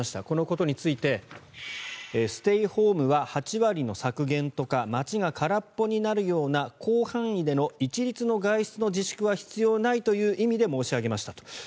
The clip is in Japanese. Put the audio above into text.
このことについてステイホームは８割の削減とか街が空っぽになるような広範囲での一律の外出の自粛は必要ないという意味で申し上げましたと。